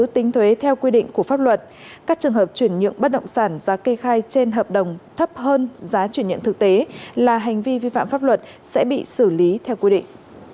tính thuế theo quy định của pháp luật các trường hợp chuyển nhượng bất động sản giá kê khai trên hợp đồng thấp hơn giá chuyển nhận thực tế là hành vi vi phạm pháp luật sẽ bị xử lý theo quy định